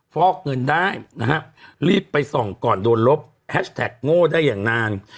ฟอกเงินได้นะฮะรีบไปส่องก่อนโดนลบแฮชแท็กโง่ได้อย่างนาน